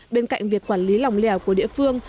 bên cạnh việc quản lý lòng lèo của địa phương